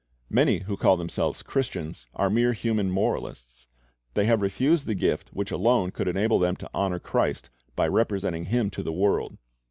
Many who call themselves Christians are mere human moralists. They have refused the gift which alone could enable them to honor Christ by representing Him to the world.